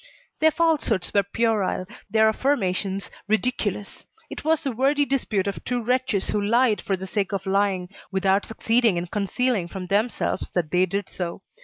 Their falsehoods were puerile, their affirmations ridiculous. It was the wordy dispute of two wretches who lied for the sake of lying, without succeeding in concealing from themselves that they did so.